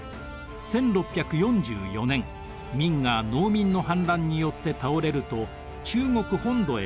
１６４４年明が農民の反乱によって倒れると中国本土へ進攻。